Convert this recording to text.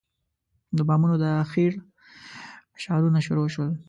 د بامونو د اخېړ اشارونه شروع شول.